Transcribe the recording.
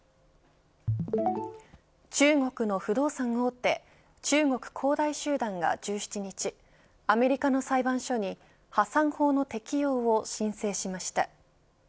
中国の不動産大手中国恒大集団が１７日アメリカの裁判所に破産法の適用を申請しました。